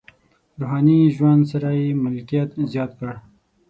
روحاني ژوند سره یې ملکیت زیات کړ.